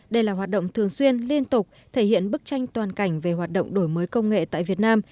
đây là hoạt động thường xuyên liên tục thể hiện bức tranh toàn cảnh về hoạt động đổi mới công nghệ tại việt nam